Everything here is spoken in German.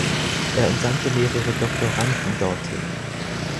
Er entsandte mehrere Doktoranden dorthin.